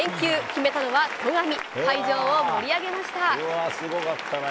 決めたのは戸上、会場を盛り上げました。